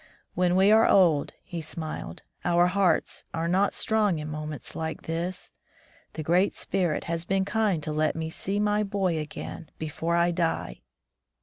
"When we are old," he smiled, "our hearts are not strong in moments like this. The Great Spirit has been kind to let me see my boy again before I die.